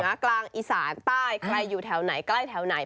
กลางอีสานใต้ใครอยู่แถวไหนใกล้แถวไหน